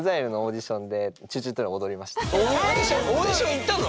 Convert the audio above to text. オーディション行ったの？